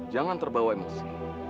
jangan terbawa emosi